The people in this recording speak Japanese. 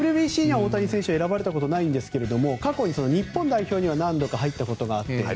ＷＢＣには大谷選手選ばれたことはないですが過去に日本代表には何度か入ったことがあって。